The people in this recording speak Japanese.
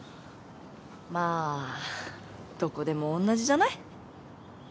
まあどこでもおんなじじゃない？